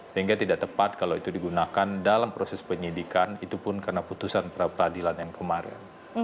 sehingga tidak tepat kalau itu digunakan dalam proses penyidikan itu pun karena putusan pra peradilan yang kemarin